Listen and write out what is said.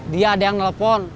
dia ada yang nelfon